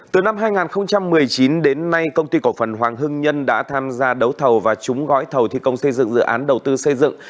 từ năm hai nghìn một mươi chín đến nay công ty cổ phần hoàng hưng nhân đã tham gia đấu thầu và trúng gói thầu thi công xây dựng dự án đầu tư xây dựng